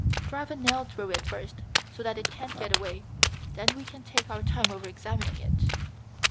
"Drive a nail through it first, so that it can't get away; then we can take our time over examining it."